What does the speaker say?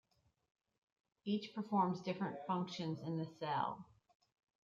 Each performs different functions in the cell.